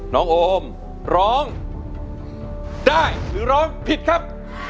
น้องโอมร้องได้หรือร้องผิดครับ